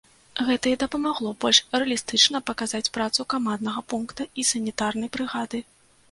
Гэта і дапамагло больш рэалістычна паказаць працу каманднага пункта і санітарнай брыгады.